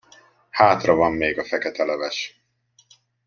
Hátra van még a feketeleves.